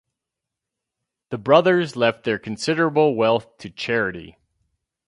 The brothers left their considerable wealth to charity.